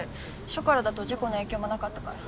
署からだと事故の影響もなかったから。